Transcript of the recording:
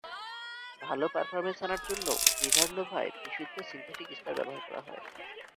ভালো পারফরম্যান্স আনার জন্য ফিভারনোভায় বিশুদ্ধ সিনথেটিক স্তর ব্যবহার করা হয়।